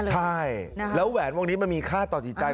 ใช่แล้วแหวนวงนี้มันมีค่าต่อจิตใจ